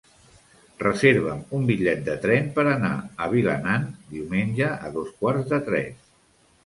Reserva'm un bitllet de tren per anar a Vilanant diumenge a dos quarts de tres.